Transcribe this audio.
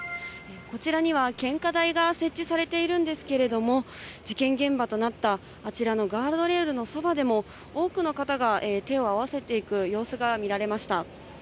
こちらには献花台が設置されているんですけれども、事件現場となった、あちらのガードレールのそばでも、多くの方が手を合わせていく様子が見られました。